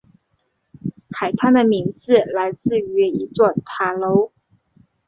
海滩的名字来自于一座塔楼。